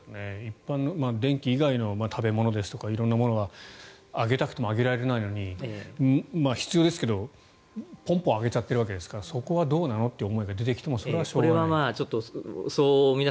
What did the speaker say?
電気以外の食べ物ですとか色んなものが上げたくても上げられないのに必要ですけどポンポン上げちゃっているわけですからそれはどうなのという思いが出てきてもそれはしょうがない。